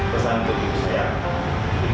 pesan untuk ibu saya